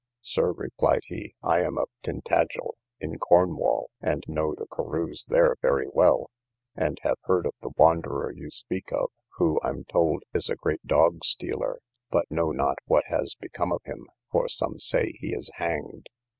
Sir, replied he, I am of Tintagel, in Cornwall, and know the Carews there very well, and have heard of the wanderer you speak of, who, I'm told, is a great dog stealer, but know not what has become of him; for some say he is hanged.